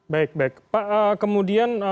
baik baik pak kemudian